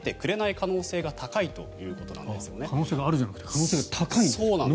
可能性があるじゃなくて可能性が高いなんだ。